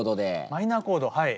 マイナーコードはい。